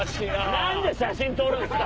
何で写真撮るんすか？